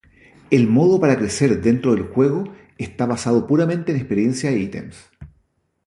El modo para crecer dentro del juego esta basado puramente en experiencia e ítems.